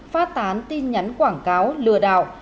phát tán tin nhắn quảng cáo lửa đảo